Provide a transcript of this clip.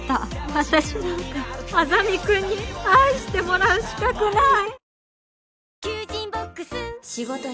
私なんか莇君に愛してもらう資格ない。